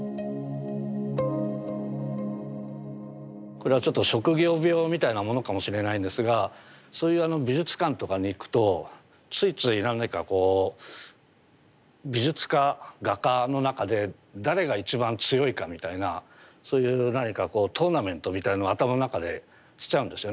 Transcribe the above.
これはちょっと職業病みたいなものかもしれないんですがそういう美術館とかに行くとついつい何かこう美術家画家の中で誰が一番強いかみたいなそういう何かこうトーナメントみたいなの頭の中でしちゃうんですよね。